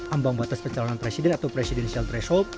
ambang batas pencalonan presiden atau presidensial threshold